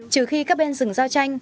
trừ khi các bên dừng giao tranh